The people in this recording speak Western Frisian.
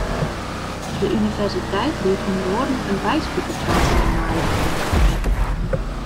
De universiteit biedt ûnder oare in byspikerkamp yn de maaiefakânsje oan.